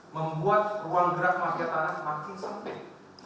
membuat ruang gerak mafiatan makin sempit